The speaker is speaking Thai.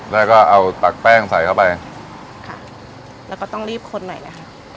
แล้วก็เอาตักแป้งใส่เข้าไปค่ะแล้วก็ต้องรีบคนใหม่เลยค่ะ